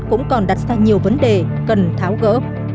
cũng còn đặt ra nhiều vấn đề cần tháo gỡ